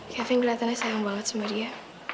kevin kelihatannya sayang banget sama dia